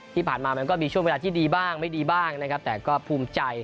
ที่ผ่านมามันก็มีช่วงเวลาที่ดีบ้างไม่ดีบ้างนะครับแต่ก็ภูมิใจ